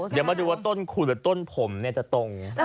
เดี๋ยวมาดูว่าต้นขู่หรือต้นผมจะตรง